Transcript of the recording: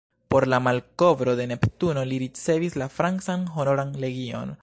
Por la malkovro de Neptuno li ricevis la francan Honoran Legion.